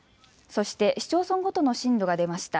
そして市町村ごとの震度が出ました。